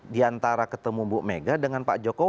diantara ketemu bu mega dengan pak joko